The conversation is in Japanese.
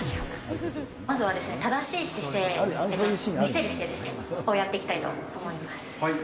まずは、正しい姿勢、魅せる姿勢ですね、をやっていきたいと思います。